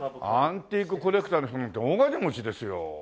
アンティークコレクターの人なんて大金持ちですよ。